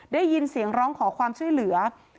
ได้ยินเสียงร้องขอความช่วยเหลือ